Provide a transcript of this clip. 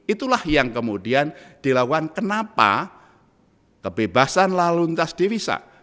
itulah yang kemudian dilakukan kenapa kebebasan lalu lintas divisa